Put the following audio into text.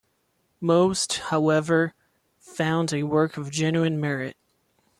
Most, however, found a work of "genuine merit".